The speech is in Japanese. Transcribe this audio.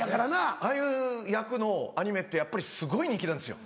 ああいう役のアニメってやっぱりすごい人気なんですよ。